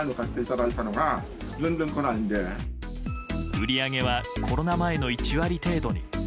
売り上げはコロナ前の１割程度に。